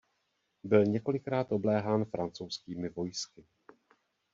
Byl několikrát obléhán francouzskými vojsky.